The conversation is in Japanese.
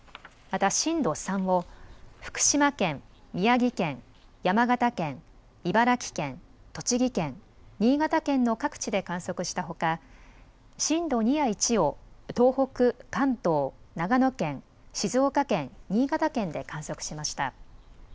また震度３を福島県、宮城県、山形県、茨城県、栃木県、新潟県の各地で観測したほか震度２や１を東北、関東、長野県、静岡県、新潟県で観測しました。